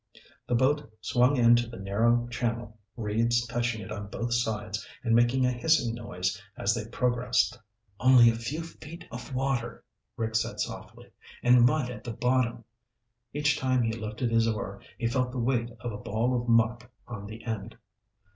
The boat swung into the narrow channel, reeds touching it on both sides and making a hissing noise as they progressed. "Only a few feet of water," Rick said softly. "And mud at the bottom." Each time he lifted his oar he felt the weight of a ball of muck on the end.